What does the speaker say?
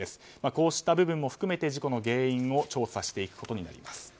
こうした部分を含めて事故の原因を調査することになります。